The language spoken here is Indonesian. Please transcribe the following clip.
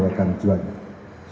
yang sangat membahayakan cuanya